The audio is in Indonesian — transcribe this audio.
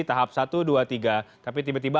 tahap satu dua tiga tapi tiba tiba